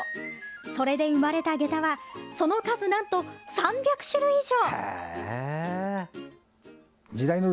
それで生まれたげたはその数、なんと３００種類以上。